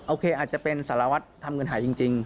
อาจจะเป็นสารวัตรทำเงินหายจริง